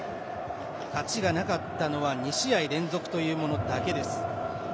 勝ちがなかったのは２試合連続というものだけです。